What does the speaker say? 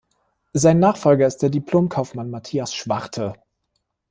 Sein Nachfolger ist der Diplom-Kaufmann Matthias Schwarte.